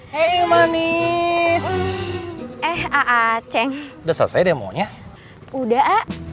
hei manis eh ah ceng udah selesai demonya udah